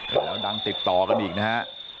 แล้วดังติดต่อกันอีกนะฮะ